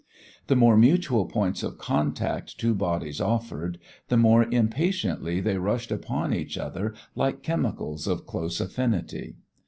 The more mutual points of contact two bodies offered, the more impatiently they rushed upon each other like chemicals of close affinity.